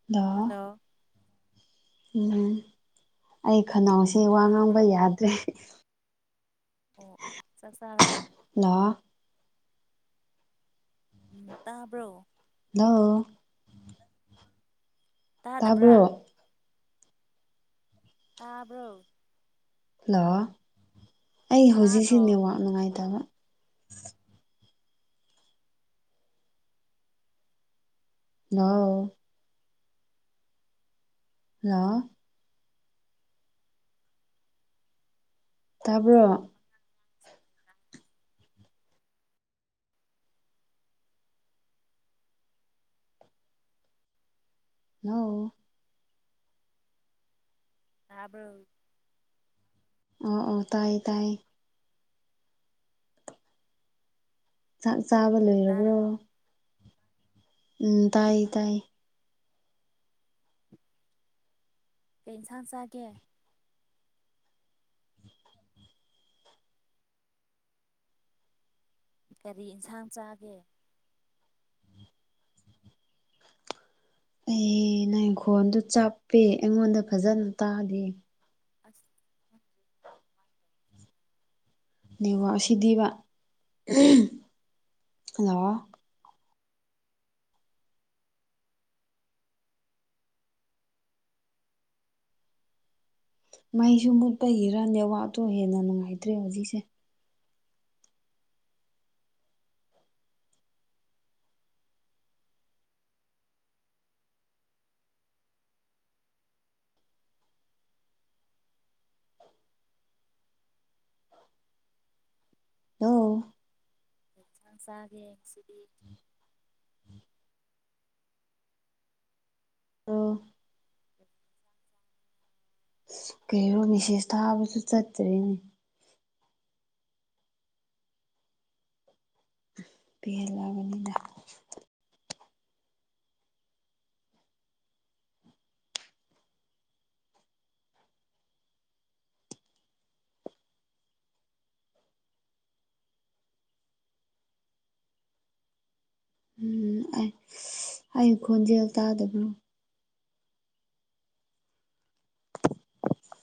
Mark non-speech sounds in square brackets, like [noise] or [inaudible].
[inaudible] hello ꯎꯝ ꯑꯩ ꯈꯅꯥꯎꯁꯦ ꯋꯥ ꯉꯥꯡꯕ ꯇꯥꯕ꯭ꯔꯣ ꯌꯥꯗ꯭ꯔꯦ ꯑꯣ ꯑꯣ ꯆꯥꯛ ꯆꯥꯔꯕꯣ ꯍꯜꯂꯣ ꯎꯝ ꯇꯥꯕ꯭ꯔꯣ ꯍꯜꯂꯣ ꯇꯥꯕ꯭ꯔꯣ ꯇꯥꯗꯕ꯭ꯔꯥ ꯇꯥꯕ꯭ꯔꯣ ꯍꯜꯂꯣ ꯑꯩ ꯍꯧꯖꯤꯛꯁꯤ ꯇꯥꯗ꯭ꯔꯣ ꯅꯦꯠꯋꯥꯛ ꯅꯨꯡꯉꯥꯏꯇꯕ ꯍꯜꯂꯣ ꯍꯜꯂꯣ ꯇꯥꯕ꯭ꯔꯣ ꯍꯜꯂꯣ ꯇꯥꯕ꯭ꯔꯣ ꯑꯣ ꯑꯣ ꯇꯥꯏꯌꯦ ꯇꯥꯏꯌꯦ ꯆꯥꯛ ꯆꯥꯕ ꯑꯣ ꯂꯣꯏꯔꯕ꯭ꯔꯣ ꯇꯥꯔꯕꯣ ꯎꯝ ꯇꯥꯏꯌꯦ ꯇꯥꯏꯌꯦ ꯀꯩ ꯏꯟꯁꯥꯡ ꯆꯥꯒꯦ ꯀꯔꯤ ꯏꯟꯁꯥꯡ ꯆꯥꯒꯦ ꯑꯩ ꯅꯪꯪꯒꯤꯈꯣꯟꯗꯣ ꯆꯞꯄꯦ ꯑꯩꯉꯣꯟꯗ ꯐꯥꯖꯅ ꯇꯥꯗꯦ ꯑꯁ ꯅꯦꯋꯥꯛ ꯑꯁꯤꯗꯤꯕ ꯎꯝ ꯍꯜꯂꯣ ꯃꯩꯁꯨ ꯃꯨꯠꯄꯒꯤꯔ ꯅꯦꯋꯥꯛꯇꯣ ꯍꯦꯟꯅ ꯅꯨꯡꯉꯥꯏꯇ꯭ꯔꯦ ꯍꯧꯖꯤꯛꯁꯦ ꯍꯜꯂꯣ ꯀꯩ ꯏꯟꯁꯥꯡ ꯆꯥꯒꯦ ꯉꯁꯤꯗꯤ ꯂꯣ ꯀꯩꯔꯣ ꯃꯦꯁꯦꯁ ꯊꯥꯕꯁꯨ ꯆꯠꯇ꯭ꯔꯦꯅꯦ ꯄꯦꯜꯂꯕꯅꯤꯗ ꯎꯝ ꯑꯩ ꯑꯩ ꯈꯣꯟꯖꯦꯜ ꯇꯥꯗꯕ꯭ꯔꯣ